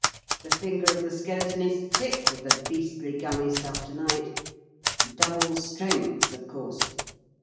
The finger of the skeleton is thick with the beastly, gummy stuff to night. Double strength, of course.